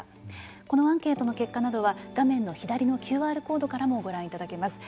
このアンケートの結果などは画面の左のＱＲコードからもご覧いただけます。